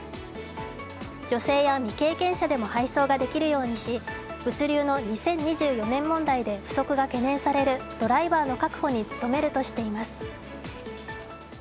女性や未経験者でも配送ができるようにし物流の２０２４年問題で不足が懸念されるドライバーの確保に努めるとしています。